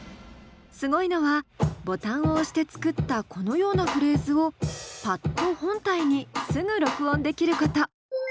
すごいのはボタンを押して作ったこのようなフレーズをパッド本体にすぐ録音できること。